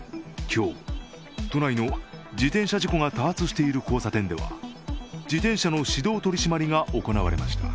今日、都内の自転車事故が多発している交差点では自転車の指導取り締まりが行われました。